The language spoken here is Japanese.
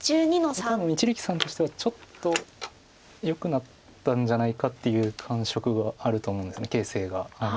これ多分一力さんとしてはちょっとよくなったんじゃないかっていう感触があると思うんです形勢が。